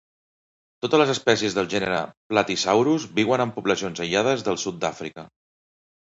Totes les espècies del gènere "Platysaurus" viuen en poblacions aïllades del sud d'Àfrica.